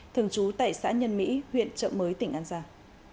thường trú tại xã nhân mỹ huyện trợ mới tỉnh an giang